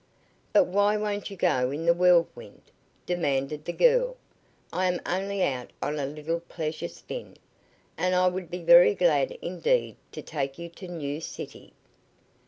"But why won't you go in the Whirlwind?" demanded the girl. "I am only out on a little pleasure spin, and I would be very glad indeed to take you to New City.